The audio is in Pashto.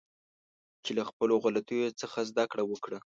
چې له خپلو غلطیو څخه زده کړه وکړه